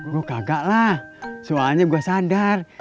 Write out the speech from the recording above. gue kagak lah soalnya gue sadar